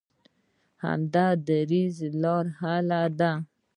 همدا دریځ حل لاره ده.